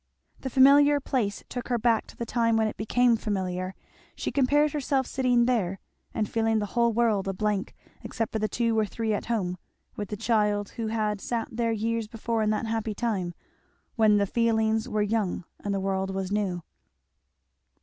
The familiar place took her back to the time when it became familiar; she compared herself sitting there and feeling the whole world a blank, except for the two or three at home, with the child who had sat there years before in that happy time "when the feelings were young and the world was new."